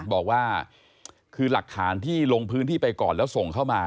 บอกว่าคือหลักฐานที่ลงพื้นที่ไปก่อนแล้วส่งเข้ามา